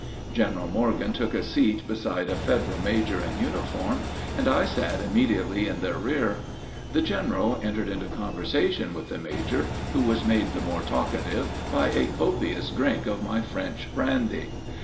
General Morgan took a seat beside a Federal major in uniform, and I sat immediately in their rear. The general entered into conversation with the major, who was made the more talkative by a copious drink of my French brandy.